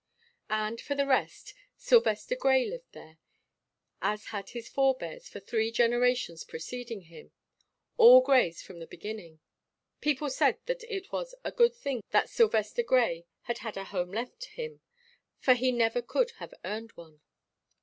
And, for the rest, Sylvester Grey lived there, as had his forebears for three generations preceding him all Greys from the beginning. People said that it was "a good thing that Sylvester Grey had had a home left him, for he never could have earned one."